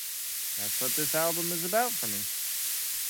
That's what this album is about for me.